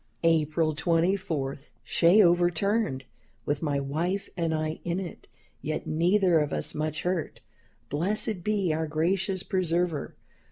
"April 24. Shay overturned, with my wife and I in it, yet neither of us much hurt. Blessed be our gracious Preserver!